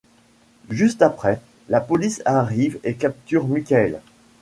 Juste après, la police arrive et capture Michael.